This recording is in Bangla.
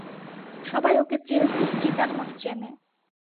সবাই ওকে চেলসির চিতার মতো চেনে।